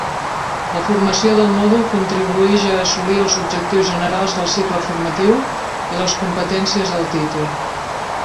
La formació del mòdul contribuïx a assolir els objectius generals del cicle formatiu i les competències del títol.